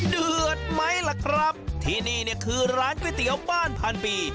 เดือดไหมล่ะครับที่นี่เนี่ยคือร้านก๋วยเตี๋ยวบ้านพันปี